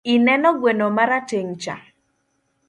Ineno gweno marateng'cha?